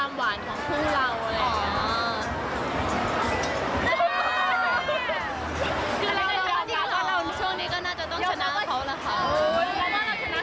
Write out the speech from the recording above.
มีหลายคนแจ้งให้เราแต่งค่ะ